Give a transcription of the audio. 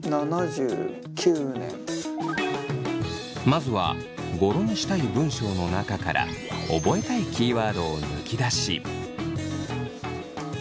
まずは語呂にしたい文章の中から覚えたいキーワードを抜き出し。